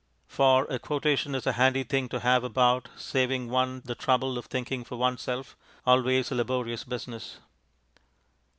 For a quotation is a handy thing to have about, saving one the trouble of thinking for oneself, always a laborious business.